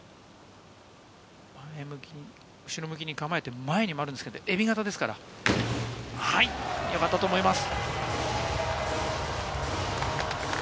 後ろ向きに構えて、前に回るんですけれども、えび型ですから、よかったと思います。